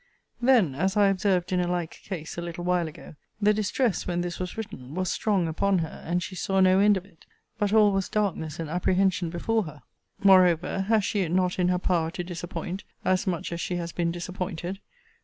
Then, as I observed in a like case, a little while ago, the distress, when this was written, was strong upon her; and she saw no end of it: but all was darkness and apprehension before her. Moreover, has she it not in her power to disappoint, as much as she has been disappointed?